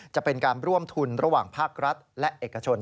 จะเป็นการร่วมทุนระหว่างภาครัฐและเอกชน